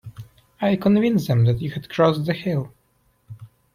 I convinced them that you had crossed the hill.